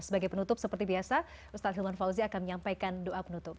sebagai penutup seperti biasa ustadz hilman fauzi akan menyampaikan doa penutup